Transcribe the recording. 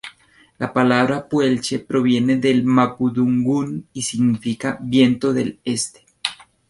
La palabra Puelche proviene del mapudungún y significa "Viento del Este".